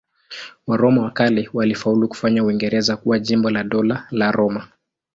Waroma wa kale walifaulu kufanya Uingereza kuwa jimbo la Dola la Roma.